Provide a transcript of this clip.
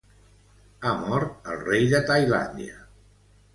Ha mort el rei de Tailàndia.